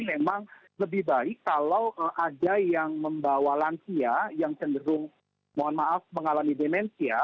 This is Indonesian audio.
memang lebih baik kalau ada yang membawa lansia yang cenderung mohon maaf mengalami demensia